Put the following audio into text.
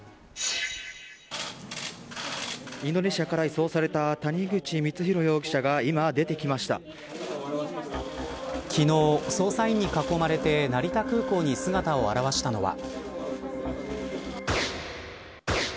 インドネシアから移送された谷口光弘容疑者が今昨日、捜査員に囲まれて成田空港に姿を現したのは。